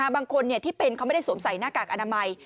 บางคนที่เป็นเขาไม่ได้สวมใส่หน้ากากอนามัย